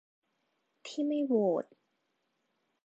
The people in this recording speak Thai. ที่ไม่โหวต